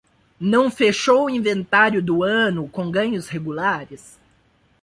Não fechou o inventário do ano com ganhos regulares?